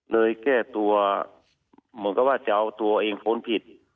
เลยแก้ตัวเหมือนกับว่าจะเอาตัวเองพ้นผิด